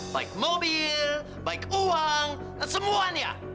baik mobil baik uang semuanya